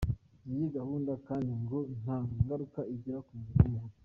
Iyi gahunda kandi ngo nta ngaruka igira ku mubiri w’umuntu.